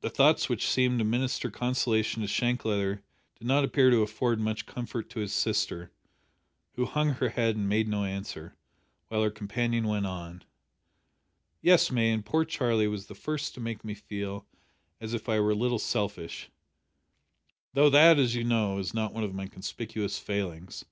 The thoughts which seemed to minister consolation to Shank Leather did not appear to afford much comfort to his sister, who hung her head and made no answer, while her companion went on "Yes, May, and poor Charlie was the first to make me feel as if I were a little selfish, though that as you know, is not one of my conspicuous failings!